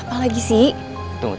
untuk wanita lain